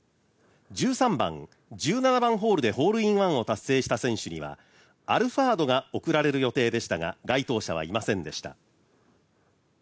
１３番、１７番ホールでホールインワンを達成した選手にはアルファードが贈られる予定でしたが該当者はいませんでした。